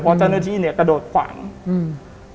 เพราะเจ้าหน้าที่เนี้ยกระโดดขวางอืม